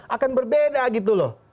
akan berbeda gitu loh